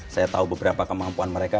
saya tahu beberapa kemampuan mereka